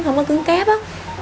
không có cứng cáp á